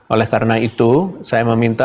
oleh karena itu saya meminta